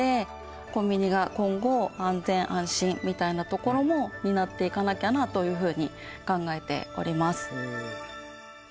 コンビニが今後安全安心みたいなところも担っていかなきゃなというふうに考えております。